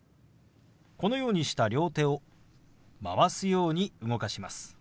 このようにした両手を回すように動かします。